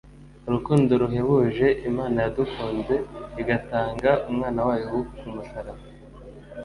urukundo ruhebuje imana yadukunze igatanga umwana wayo kumusaraba